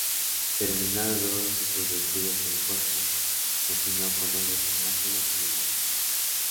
Terminados sus estudios en Corfú, continúo con ellos en Nápoles y Milán.